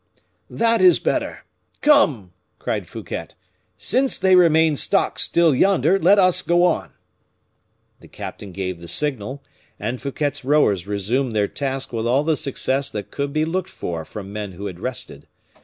"That is better. Come!" cried Fouquet; "since they remain stock still yonder, let us go on." The captain gave the signal, and Fouquet's rowers resumed their task with all the success that could be looked for from men who had rested.